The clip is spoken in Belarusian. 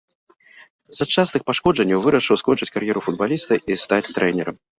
З-за частых пашкоджанняў вырашыў скончыць кар'еру футбаліста і стаць трэнерам.